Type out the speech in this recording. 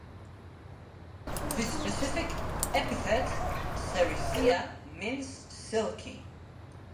The specific epithet ("sericea") means "silky".